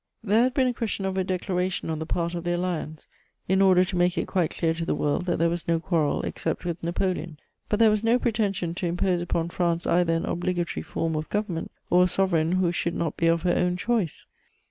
There had been a question of a declaration on the part of the Alliance, in order to make it quite clear to the world that there was no quarrel except with Napoleon, that there was no pretension to impose upon France either an obligatory form of government or a sovereign who should not be of her own choice.